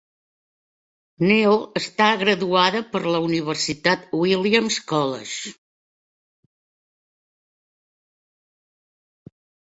Neil està graduada per la Universitat Williams College.